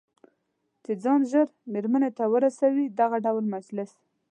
چې ځان ژر مېرمنې ته ورسوي، دغه ډول مجلس.